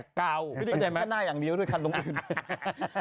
ไม่เข้าใจไหมคันหน้าอย่างนี้ด้วยคันตรงอื่น